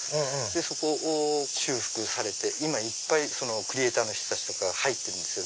そこを修復されて今いっぱいクリエーターの人が入ってるんです。